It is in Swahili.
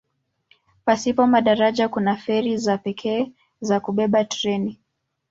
Pasipo madaraja kuna feri za pekee za kubeba treni.